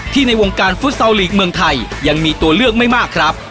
ในวงการฟุตซอลลีกเมืองไทยยังมีตัวเลือกไม่มากครับ